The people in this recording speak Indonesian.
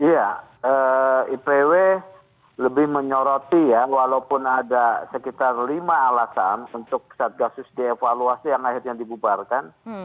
ya ipw lebih menyoroti ya walaupun ada sekitar lima alasan untuk satgasus dievaluasi yang akhirnya dibubarkan